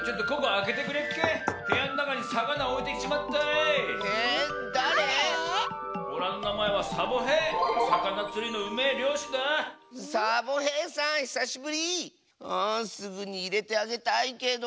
あすぐにいれてあげたいけど。